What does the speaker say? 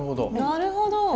なるほど。